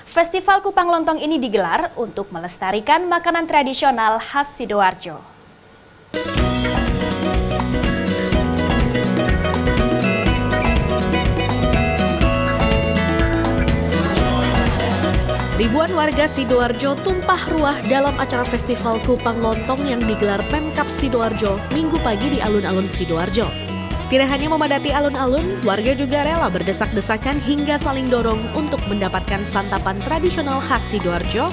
festival kupang lontong ini digelar untuk melestarikan makanan tradisional khas sidoarjo